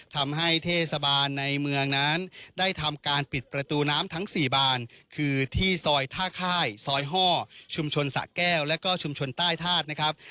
ทำให้เทศบาลในเมืองนั้นได้ทำการปิดประตูน้ำทั้ง๔บานคือที่ซอยท่าค่ายซอยฮ่อชุมชนสะแก้วแล้วก็ชุมชนใต้ธาตุนะครับ